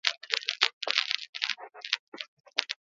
Nafarroako eliza arkupedun onena da, bestetik.